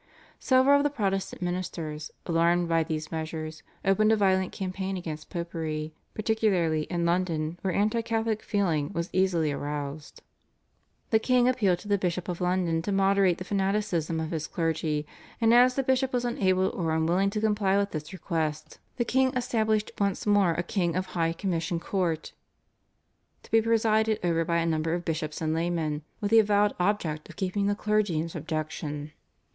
Several of the Protestant ministers, alarmed by these measures, opened a violent campaign against Popery, particularly in London where anti Catholic feeling was easily aroused. The king appealed to the Bishop of London to moderate the fanaticism of his clergy, and as the bishop was unable or unwilling to comply with this request, the king established once more a king of High Commission Court, to be presided over by a number of bishops and laymen, with the avowed object of keeping the clergy in subjection.